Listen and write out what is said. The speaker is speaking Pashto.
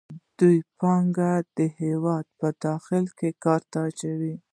دوی پانګه د هېواد په داخل کې په کار نه اچوي